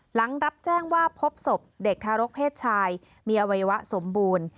หลังรับแจ้งว่าพบศพเด็กทารกเพศชายมีอวัยวะสมบูรณ์